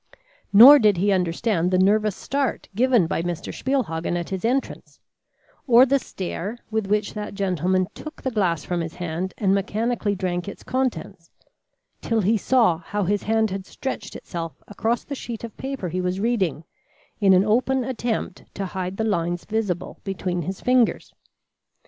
Nor did he understand the nervous start given by Mr. Spielhagen at his entrance, or the stare with which that gentleman took the glass from his hand and mechanically drank its contents, till he saw how his hand had stretched itself across the sheet of paper he was reading, in an open attempt to hide the lines visible between his fingers.